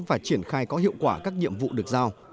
và triển khai có hiệu quả các nhiệm vụ được giao